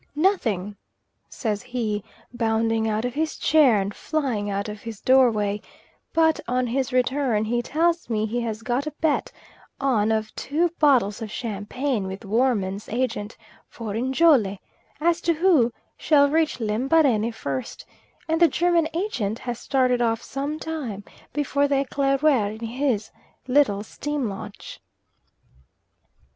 "Nothing," says he, bounding out of his chair and flying out of his doorway; but on his return he tells me he has got a bet on of two bottles of champagne with Woermann's Agent for Njole, as to who shall reach Lembarene first, and the German agent has started off some time before the Eclaireur in his little steam launch.